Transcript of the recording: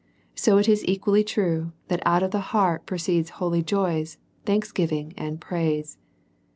so it is equally true, that out of the heart proceed holy joys, thanksgiving, and praise.